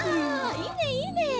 いいねいいね！